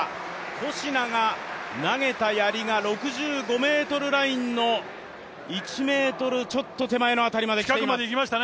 コシナが投げたやりが６５ｍラインの１ｍちょっと手前の辺りまで来ています。